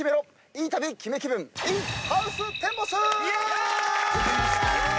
いい旅・キメ気分ｉｎハウステンボス！